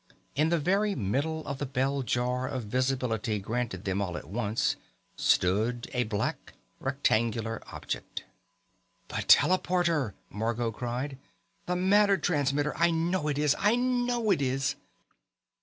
In the very middle of the bell jar of visibility granted them all at once, stood a black rectangular object. "The teleporter!" Margot cried. "The matter transmitter! I know it is. I know it is!"